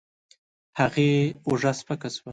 هغې اوږه سپکه شوه.